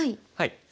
はい。